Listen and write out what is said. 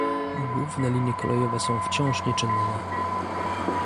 Główne linie kolejowe są wciąż nieczynne